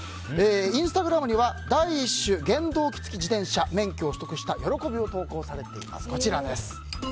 インスタグラムには第一種原動機付自転車免許を取得した喜びを語られています。